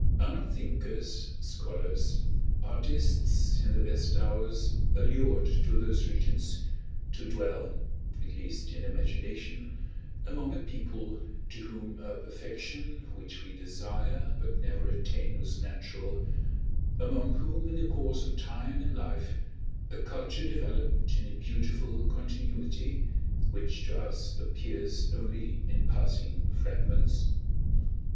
Are not thinkers, scholars, artists, in their best hours allured to those regions, to dwell (at least in imagination) among a people to whom a perfection which we desire but never attain was natural, among whom in the course of time and life, a culture developed in a beautiful continuity, which to us appears only in passing fragments?